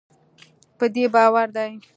په دې باور دی